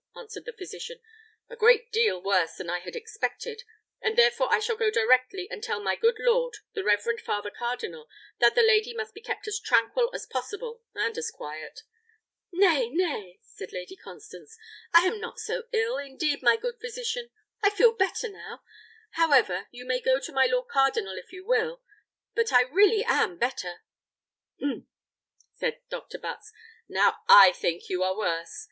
answered the physician; "a great deal worse than I had expected, and therefore I shall go directly and tell my good lord, the reverend father cardinal, that the lady must be kept as tranquil as possible, and as quiet." "Nay, nay!" said Lady Constance; "I am not so ill, indeed, my good physician; I feel better now. However, you may go to my lord cardinal if you will; but I really am better." "Umph!" said Dr. Butts; "now I think you are worse.